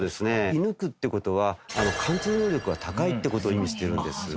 射貫くって事は貫通能力が高いって事を意味してるんです。